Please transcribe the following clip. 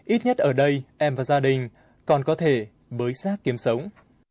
ít nhất ở đây em và gia đình còn có thể bới sát kiếm sống